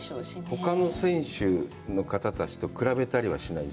ほかの選手の方たちと比べたりはしない？